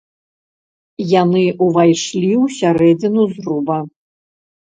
Яны ўвайшлі ў сярэдзіну зруба.